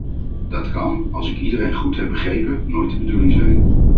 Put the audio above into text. Dat kan, als ik iedereen goed heb begrepen, nooit de bedoeling zijn.